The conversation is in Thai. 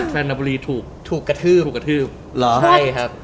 แฟนดับบุรีถูกถูกกระทืบถูกกระทืบหรอใช่ครับ